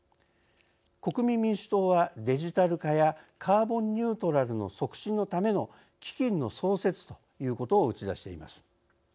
国民民主党は「デジタル化やカーボンニュートラルの促進のための基金の創設」ということを打ち出しています。